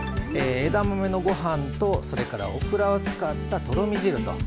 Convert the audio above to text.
枝豆のご飯とそれからオクラを使ったとろみ汁と。